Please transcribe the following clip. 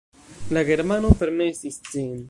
La germano permesis ĝin.